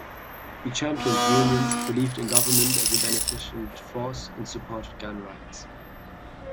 He championed unions, believed in government as a beneficent force, and supported gun rights.